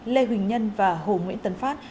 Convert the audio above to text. lê huỳnh nhân và hồ nguyễn tấn phát